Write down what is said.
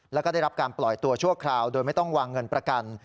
แล้วก็ได้รับการปล่อยตัวชั่วคราวโดยไม่ต้องวางเงินประกัน